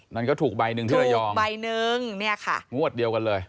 นั่นก็ถูกใบหนึ่งที่ระยองถูกใบหนึ่งงวดเดียวกันเลย